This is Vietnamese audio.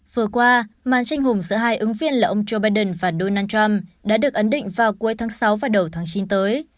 vừa qua màn tranh hùng giữa hai ứng viên là ông joe biden và donald trump đã được ấn định vào cuối tháng sáu và đầu tháng chín tới